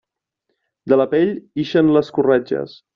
De la pell, ixen les corretges.